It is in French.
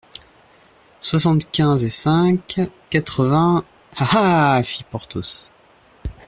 Soixante-quinze et cinq, quatre-vingts … Ah ! ah ! fit Porthos.